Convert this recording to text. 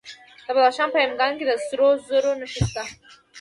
د بدخشان په یمګان کې د سرو زرو نښې شته.